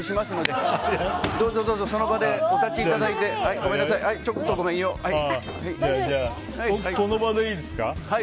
この場でいいですか。